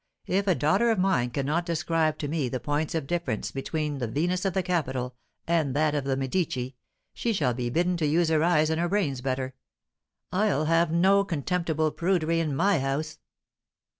If a daughter of mine cannot describe to me the points of difference between the Venus of the Capitol and that of the Medici, she shall be bidden to use her eyes and her brains better. I'll have no contemptible prudery in my house!"